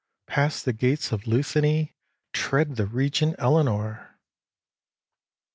Pass the gates of Luthany, tread the region Elenore."